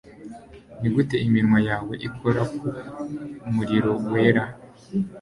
nigute iminwa yawe ikora ku muriro wera